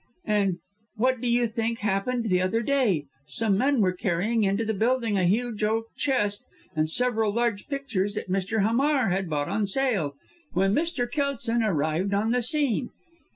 And what do you think happened the other day? Some men were carrying into the building a huge, oak chest and several large pictures that Mr. Hamar had bought at a sale, when Mr. Kelson arrived on the scene.